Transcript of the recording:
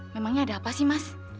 memangnya ada apa sih mas